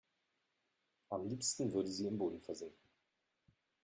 Am liebsten würde sie im Boden versinken.